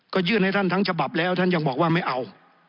ก็ยื่นให้ท่านทั้งฉบับแล้วท่านยังบอกว่าไม่เอา